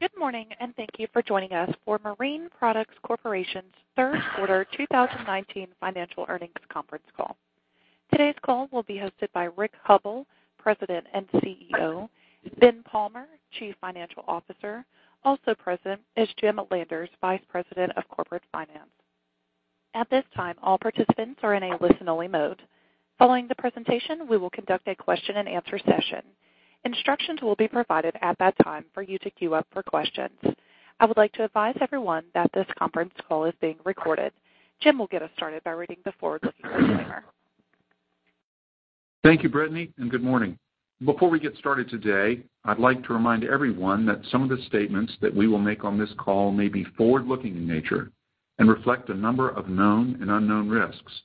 Good morning, and thank you for joining us for Marine Products Corporation's Third Quarter 2019 Financial Earnings Conference Call. Today's call will be hosted by Rick Hubbell, President and CEO, Ben Palmer, Chief Financial Officer, also President, and Jim Landers, Vice President of Corporate Finance. At this time, all participants are in a listen-only mode. Following the presentation, we will conduct a question-and-answer session. Instructions will be provided at that time for you to queue up for questions. I would like to advise everyone that this conference call is being recorded. Jim will get us started by reading the forward-looking disclaimer. Thank you, Brittany, and good morning. Before we get started today, I'd like to remind everyone that some of the statements that we will make on this call may be forward-looking in nature and reflect a number of known and unknown risks.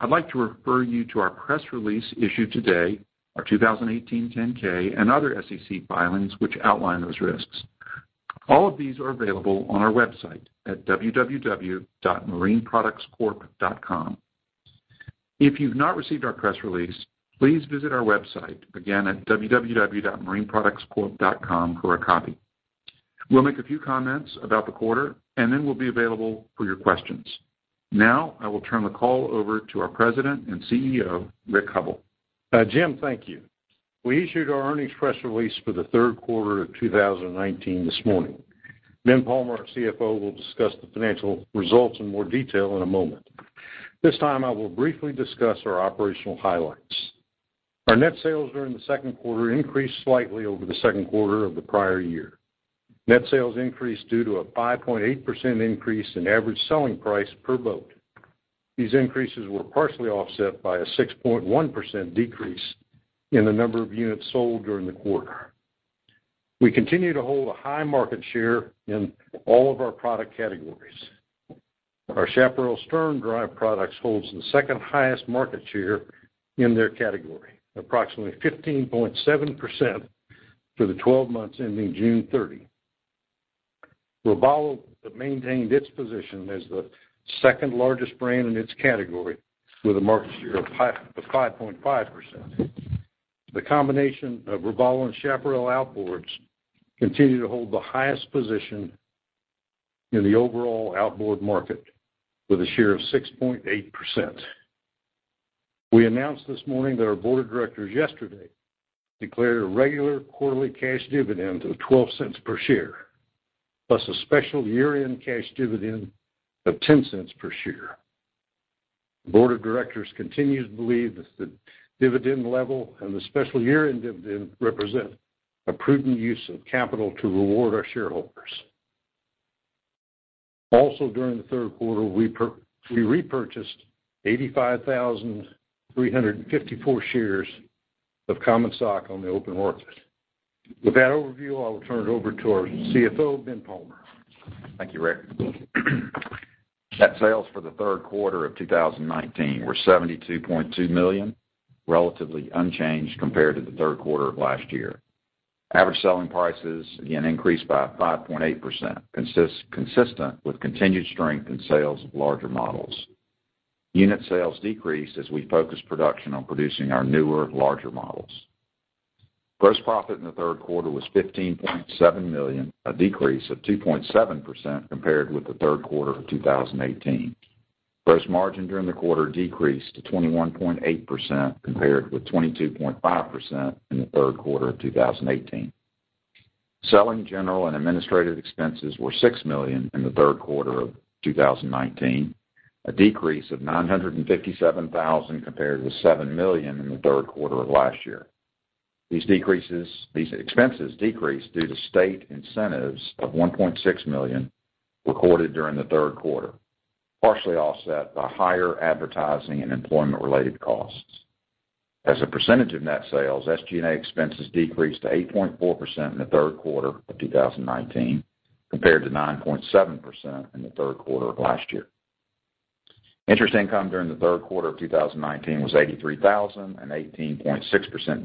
I'd like to refer you to our press release issued today, our 2018 10-K, and other SEC filings which outline those risks. All of these are available on our website at www.marineproductscorp.com. If you've not received our press release, please visit our website again at www.marineproductscorp.com for a copy. We'll make a few comments about the quarter, and then we'll be available for your questions. Now, I will turn the call over to our President and CEO, Rick Hubbell. Jim, thank you. We issued our earnings press release for the third quarter of 2019 this morning. Ben Palmer, our CFO, will discuss the financial results in more detail in a moment. This time, I will briefly discuss our operational highlights. Our net sales during the second quarter increased slightly over the second quarter of the prior year. Net sales increased due to a 5.8% increase in average selling price per boat. These increases were partially offset by a 6.1% decrease in the number of units sold during the quarter. We continue to hold a high market share in all of our product categories. Our Chaparral Stern Drive products hold the second highest market share in their category, approximately 15.7% for the 12 months ending June 30. Robalo maintained its position as the second largest brand in its category with a market share of 5.5%. The combination of Robalo and Chaparral outboards continues to hold the highest position in the overall outboard market with a share of 6.8%. We announced this morning that our board of directors yesterday declared a regular quarterly cash dividend of $0.12 per share, plus a special year-end cash dividend of $0.10 per share. Board of directors continues to believe that the dividend level and the special year-end dividend represent a prudent use of capital to reward our shareholders. Also, during the third quarter, we repurchased 85,354 shares of Common Stock on the open market. With that overview, I will turn it over to our CFO, Ben Palmer. Thank you, Rick. Net sales for the third quarter of 2019 were $72.2 million, relatively unchanged compared to the third quarter of last year. Average selling prices again increased by 5.8%, consistent with continued strength in sales of larger models. Unit sales decreased as we focused production on producing our newer, larger models. Gross profit in the third quarter was $15.7 million, a decrease of 2.7% compared with the third quarter of 2018. Gross margin during the quarter decreased to 21.8% compared with 22.5% in the third quarter of 2018. Selling general and administrative expenses were $6 million in the third quarter of 2019, a decrease of $957,000 compared with $7 million in the third quarter of last year. These expenses decreased due to state incentives of $1.6 million recorded during the third quarter, partially offset by higher advertising and employment-related costs. As a percentage of net sales, SG&A expenses decreased to 8.4% in the third quarter of 2019 compared to 9.7% in the third quarter of last year. Interest income during the third quarter of 2019 was $83,000, an 18.6%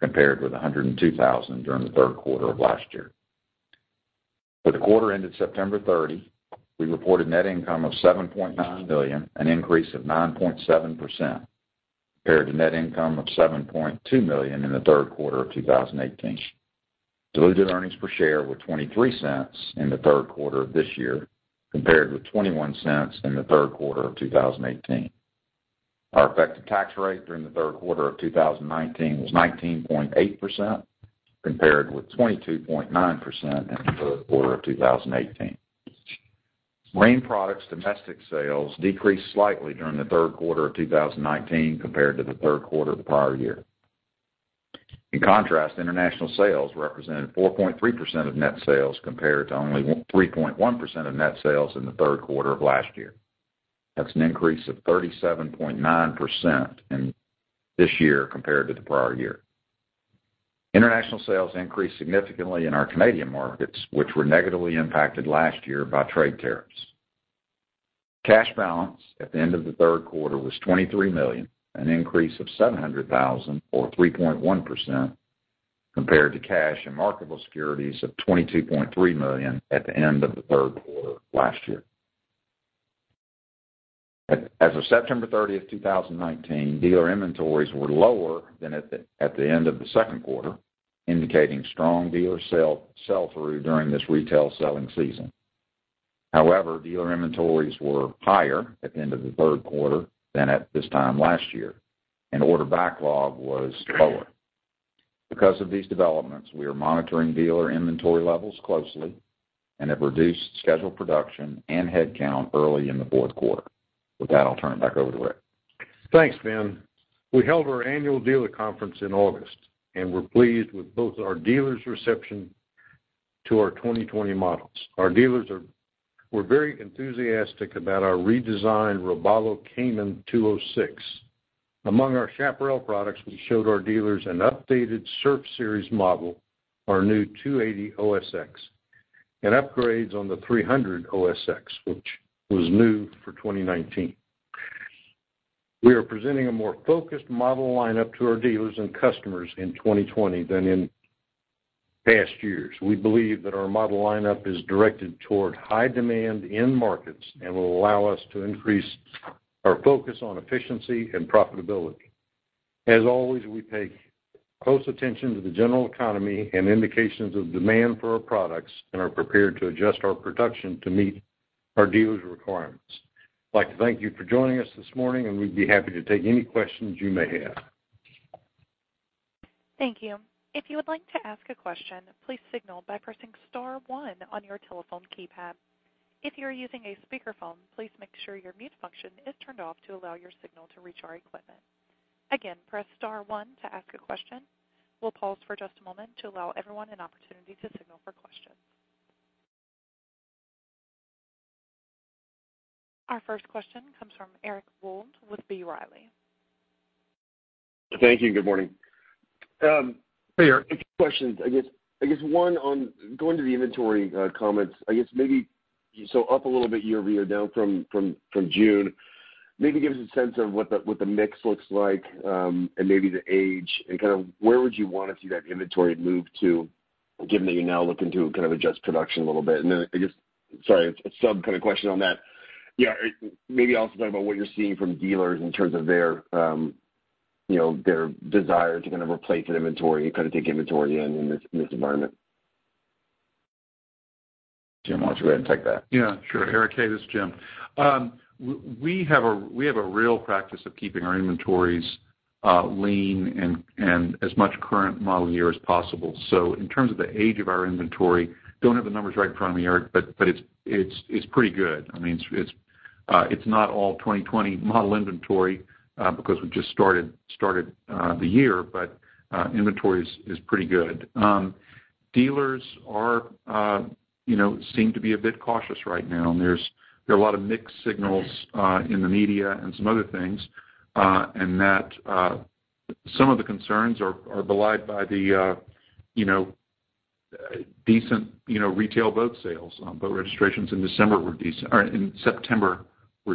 decrease compared with $102,000 during the third quarter of last year. For the quarter ended September 30, we reported net income of $7.9 million, an increase of 9.7%, compared to net income of $7.2 million in the third quarter of 2018. Diluted earnings per share were $0.23 in the third quarter of this year compared with $0.21 in the third quarter of 2018. Our effective tax rate during the third quarter of 2019 was 19.8% compared with 22.9% in the third quarter of 2018. Marine Products' domestic sales decreased slightly during the third quarter of 2019 compared to the third quarter of the prior year. In contrast, international sales represented 4.3% of net sales compared to only 3.1% of net sales in the third quarter of last year. That's an increase of 37.9% this year compared to the prior year. International sales increased significantly in our Canadian markets, which were negatively impacted last year by trade tariffs. Cash balance at the end of the third quarter was $23 million, an increase of $700,000 or 3.1% compared to cash and marketable securities of $22.3 million at the end of the third quarter last year. As of September 30, 2019, dealer inventories were lower than at the end of the second quarter, indicating strong dealer sell-through during this retail selling season. However, dealer inventories were higher at the end of the third quarter than at this time last year, and order backlog was lower. Because of these developments, we are monitoring dealer inventory levels closely and have reduced scheduled production and headcount early in the fourth quarter. With that, I'll turn it back over to Rick. Thanks, Ben. We held our annual dealer conference in August and were pleased with both our dealers' reception to our 2020 models. Our dealers were very enthusiastic about our redesigned Robalo Cayman 206. Among our Chaparral products, we showed our dealers an updated surf series model, our new 280 Osx, and upgrades on the 300 Osx, which was new for 2019. We are presenting a more focused model lineup to our dealers and customers in 2020 than in past years. We believe that our model lineup is directed toward high demand in markets and will allow us to increase our focus on efficiency and profitability. As always, we pay close attention to the general economy and indications of demand for our products and are prepared to adjust our production to meet our dealers' requirements. I'd like to thank you for joining us this morning, and we'd be happy to take any questions you may have. Thank you. If you would like to ask a question, please signal by pressing star one on your telephone keypad. If you are using a speakerphone, please make sure your mute function is turned off to allow your signal to reach our equipment. Again, press star one to ask a question. We'll pause for just a moment to allow everyone an opportunity to signal for questions. Our first question comes from Eric Wold with B. Riley. Thank you. Good morning. Hey, Eric. A few questions. I guess one on going to the inventory comments. I guess maybe so up a little bit year-over-year, down from June. Maybe give us a sense of what the mix looks like and maybe the age and kind of where would you want to see that inventory move to given that you're now looking to kind of adjust production a little bit. I guess, sorry, a sub kind of question on that. Yeah, maybe also talk about what you're seeing from dealers in terms of their desire to kind of replace inventory and kind of take inventory in this environment. Jim wants to go ahead and take that. Yeah, sure. Eric, Yes, Jim. We have a real practice of keeping our inventories lean and as much current model year as possible. In terms of the age of our inventory, do not have the numbers right in front of me, Eric, but it is pretty good. I mean, it is not all 2020 model inventory because we just started the year, but inventory is pretty good. Dealers seem to be a bit cautious right now, and there are a lot of mixed signals in the media and some other things, and that some of the concerns are belied by the decent retail boat sales. Boat registrations in December were decent, or in September were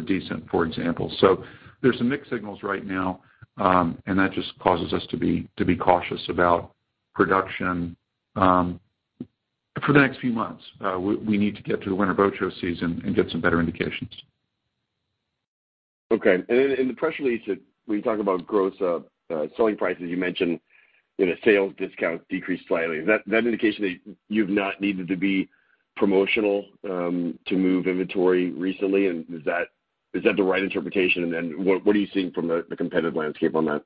decent, for example. There are some mixed signals right now, and that just causes us to be cautious about production for the next few months. We need to get to the winter boat show season and get some better indications. Okay. In the press release, when you talk about gross selling prices, you mentioned sales discounts decreased slightly. Is that an indication that you've not needed to be promotional to move inventory recently? Is that the right interpretation? What are you seeing from the competitive landscape on that?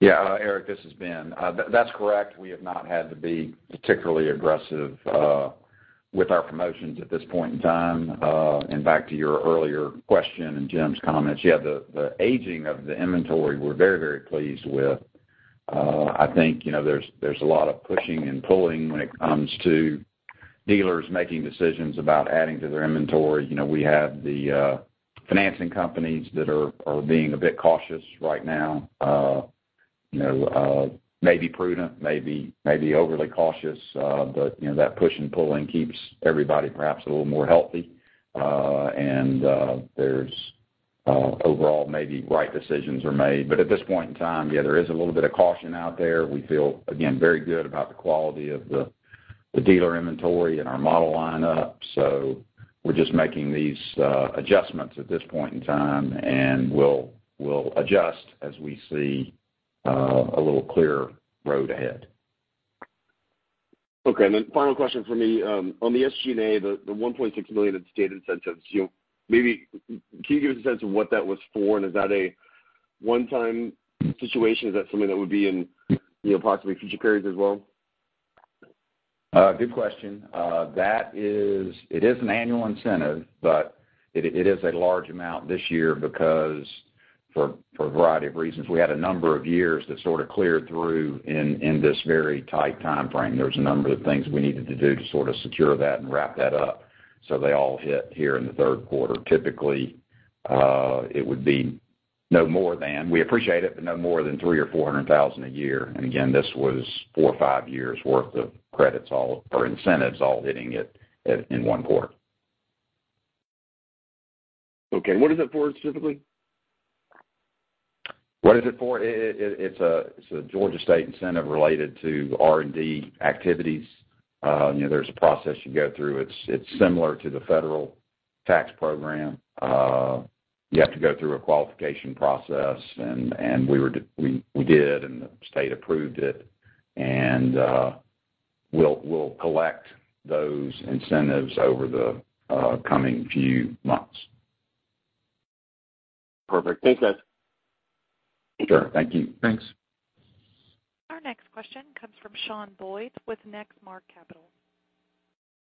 Yeah, Eric, this is Ben. That's correct. We have not had to be particularly aggressive with our promotions at this point in time. Back to your earlier question and Jim's comments, yeah, the aging of the inventory, we're very, very pleased with. I think there's a lot of pushing and pulling when it comes to dealers making decisions about adding to their inventory. We have the financing companies that are being a bit cautious right now, maybe prudent, maybe overly cautious, but that pushing and pulling keeps everybody perhaps a little more healthy. Overall, maybe right decisions are made. At this point in time, yeah, there is a little bit of caution out there. We feel, again, very good about the quality of the dealer inventory and our model lineup. We're just making these adjustments at this point in time, and we'll adjust as we see a little clearer road ahead. Okay. Final question for me. On the SG&A, the $1.6 million in state incentives, can you give us a sense of what that was for? Is that a one-time situation? Is that something that would be in possibly future periods as well? Good question. It is an annual incentive, but it is a large amount this year because for a variety of reasons. We had a number of years that sort of cleared through in this very tight timeframe. There was a number of things we needed to do to sort of secure that and wrap that up so they all hit here in the third quarter. Typically, it would be no more than—we appreciate it—but no more than $300,000 or $400,000 a year. Again, this was four or five years' worth of credits or incentives all hitting it in one quarter. Okay. What is it for specifically? What is it for? It's a Georgia state incentive related to R&D activities. There's a process you go through. It's similar to the federal tax program. You have to go through a qualification process, and we did, and the state approved it. We'll collect those incentives over the coming few months. Perfect. Thanks, guys. Sure. Thank you. Thanks. Our next question comes from Shawn Boyd with Nextmark Capital.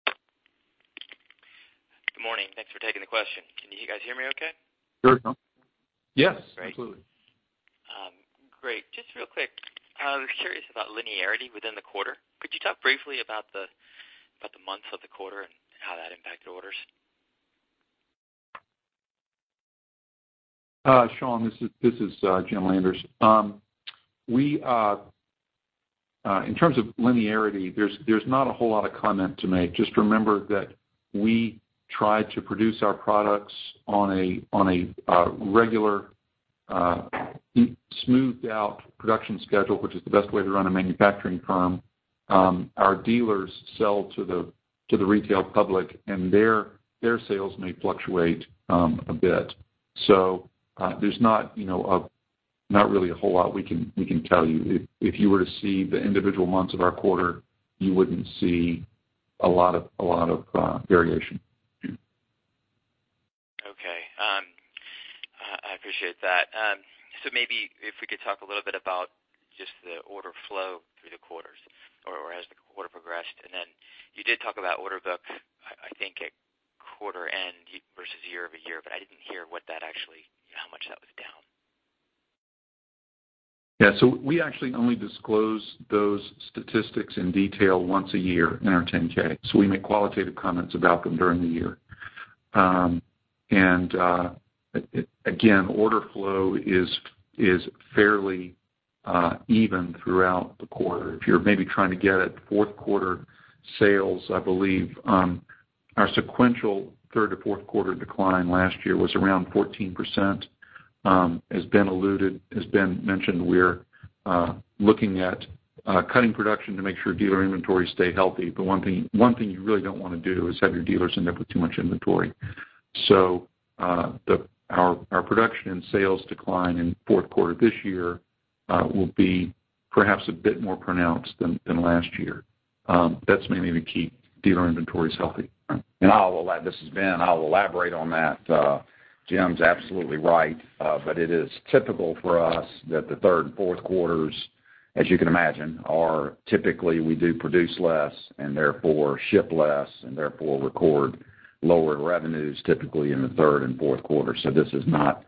Good morning. Thanks for taking the question. Can you guys hear me okay? Sure. Yes. Absolutely. Great. Great. Just real quick, I was curious about linearity within the quarter. Could you talk briefly about the months of the quarter and how that impacted orders? Shawn, this is Jim Landers. In terms of linearity, there's not a whole lot of comment to make. Just remember that we tried to produce our products on a regular, smoothed-out production schedule, which is the best way to run a manufacturing firm. Our dealers sell to the retail public, and their sales may fluctuate a bit. There's not really a whole lot we can tell you. If you were to see the individual months of our quarter, you wouldn't see a lot of variation. Okay. I appreciate that. Maybe if we could talk a little bit about just the order flow through the quarters or as the quarter progressed. You did talk about order book, I think, at quarter end versus year-over-year, but I did not hear how much that was down. Yeah. We actually only disclose those statistics in detail once a year in our 10-K. We make qualitative comments about them during the year. Order flow is fairly even throughout the quarter. If you're maybe trying to get at fourth quarter sales, I believe our sequential third to fourth quarter decline last year was around 14%. As Ben alluded, as Ben mentioned, we're looking at cutting production to make sure dealer inventories stay healthy. One thing you really don't want to do is have your dealers end up with too much inventory. Our production and sales decline in fourth quarter this year will be perhaps a bit more pronounced than last year. That's mainly to keep dealer inventories healthy. I'll—this is Ben—I'll elaborate on that. Jim's absolutely right, it is typical for us that the third and fourth quarters, as you can imagine, are typically we do produce less and therefore ship less and therefore record lower revenues typically in the third and fourth quarter. This is not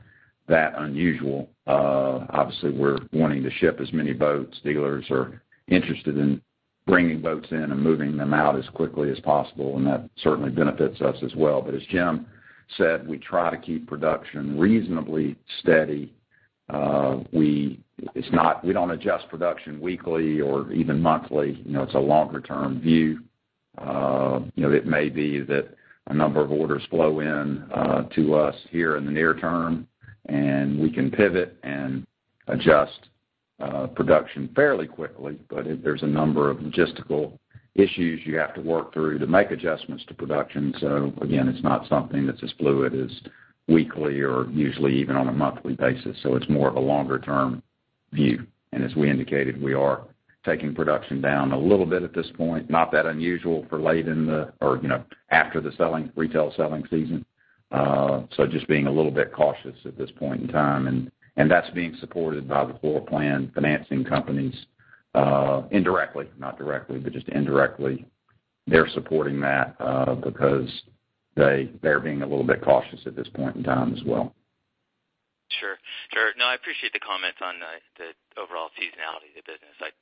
that unusual. Obviously, we're wanting to ship as many boats. Dealers are interested in bringing boats in and moving them out as quickly as possible, and that certainly benefits us as well. As Jim said, we try to keep production reasonably steady. We don't adjust production weekly or even monthly. It's a longer-term view. It may be that a number of orders flow in to us here in the near term, and we can pivot and adjust production fairly quickly. There's a number of logistical issues you have to work through to make adjustments to production. It is not something that is as fluid as weekly or usually even on a monthly basis. It is more of a longer-term view. As we indicated, we are taking production down a little bit at this point. Not that unusual for late in the or after the retail selling season. Just being a little bit cautious at this point in time. That is being supported by the floor plan financing companies indirectly, not directly, but just indirectly. They are supporting that because they are being a little bit cautious at this point in time as well. Sure. No, I appreciate the comments on the overall seasonality of the business. I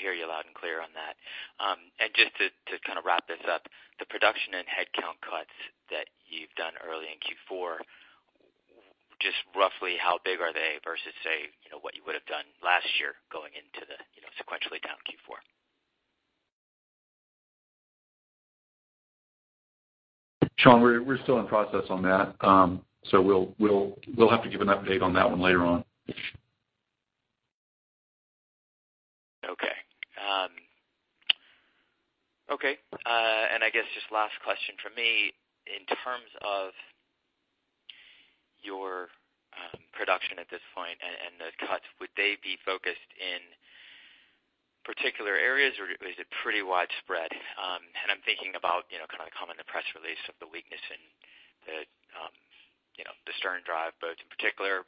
hear you loud and clear on that. Just to kind of wrap this up, the production and headcount cuts that you've done early in Q4, just roughly how big are they versus, say, what you would have done last year going into the sequentially down Q4? Shawn, we're still in process on that. We'll have to give an update on that one later on. Okay. Okay. I guess just last question for me. In terms of your production at this point and the cuts, would they be focused in particular areas, or is it pretty widespread? I am thinking about kind of the comment in the press release of the weakness in the Stern drive boats in particular.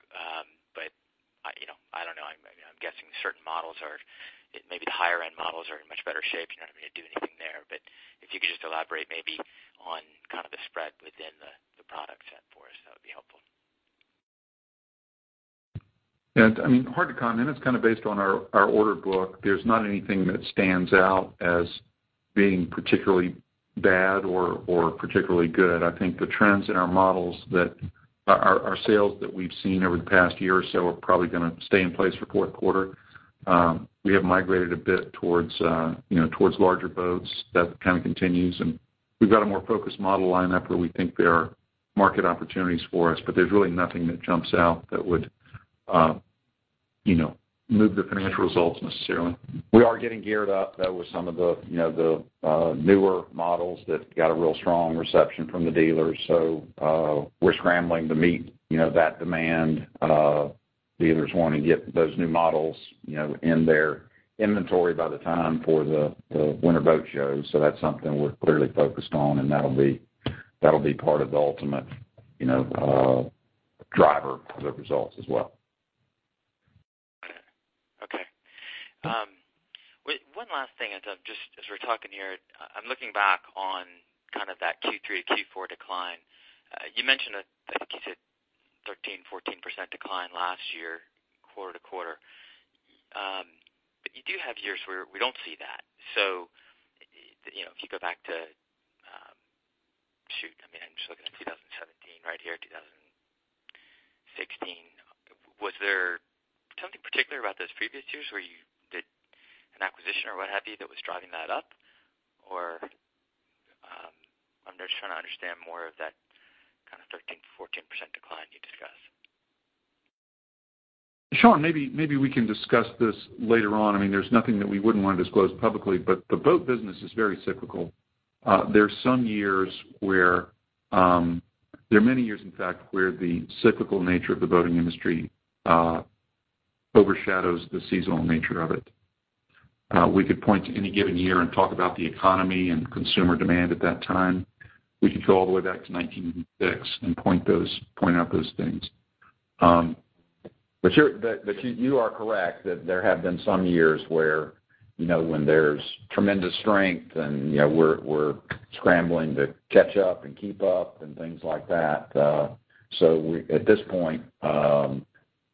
I do not know. I am guessing certain models, maybe the higher-end models, are in much better shape. You do not have to do anything there. If you could just elaborate maybe on kind of the spread within the product set for us, that would be helpful. Yeah. I mean, hard to comment. It's kind of based on our order book. There's not anything that stands out as being particularly bad or particularly good. I think the trends in our models, our sales that we've seen over the past year or so are probably going to stay in place for fourth quarter. We have migrated a bit towards larger boats. That kind of continues. We've got a more focused model lineup where we think there are market opportunities for us, but there's really nothing that jumps out that would move the financial results necessarily. We are getting geared up, though, with some of the newer models that got a real strong reception from the dealers. We are scrambling to meet that demand. Dealers want to get those new models in their inventory by the time for the winter boat show. That is something we are clearly focused on, and that will be part of the ultimate driver of the results as well. Okay. One last thing. As we're talking here, I'm looking back on kind of that Q3 to Q4 decline. You mentioned, I think you said, 13-14% decline last year, quarter to quarter. You do have years where we don't see that. If you go back to—shoot. I mean, I'm just looking at 2017 right here, 2016. Was there something particular about those previous years where you did an acquisition or what have you that was driving that up? I'm just trying to understand more of that kind of 13-14% decline you discussed. Shawn, maybe we can discuss this later on. I mean, there's nothing that we wouldn't want to disclose publicly, but the boat business is very cyclical. There are some years where—there are many years, in fact, where the cyclical nature of the boating industry overshadows the seasonal nature of it. We could point to any given year and talk about the economy and consumer demand at that time. We could go all the way back to 1996 and point out those things. You are correct that there have been some years where when there's tremendous strength and we're scrambling to catch up and keep up and things like that. At this point,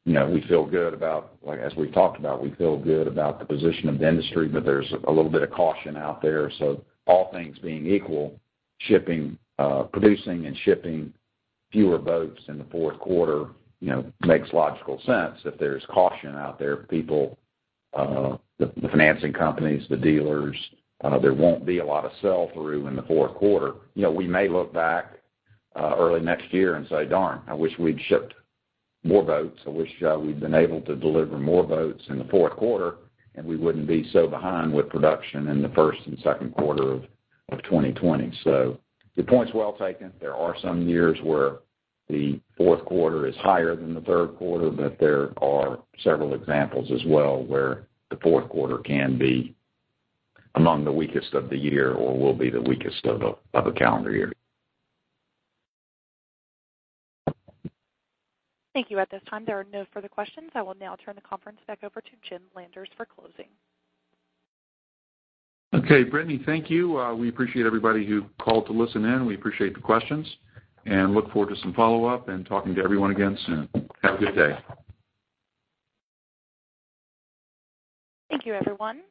we feel good about—as we've talked about, we feel good about the position of the industry, but there's a little bit of caution out there. All things being equal, producing and shipping fewer boats in the fourth quarter makes logical sense. If there's caution out there, the financing companies, the dealers, there won't be a lot of sell-through in the fourth quarter. We may look back early next year and say, "darn, I wish we'd shipped more boats. I wish we'd been able to deliver more boats in the fourth quarter, and we wouldn't be so behind with production in the first and second quarter of 2020." Your point's well taken. There are some years where the fourth quarter is higher than the third quarter, but there are several examples as well where the fourth quarter can be among the weakest of the year or will be the weakest of the calendar year. Thank you. At this time, there are no further questions. I will now turn the conference back over to Jim Landers for closing. Okay. Brittany, thank you. We appreciate everybody who called to listen in. We appreciate the questions and look forward to some follow-up and talking to everyone again soon. Have a good day. Thank you, everyone.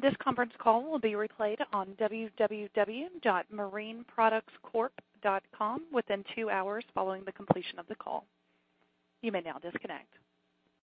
This conference call will be replayed on www.marineproductscorp.com within two hours following the completion of the call. You may now disconnect.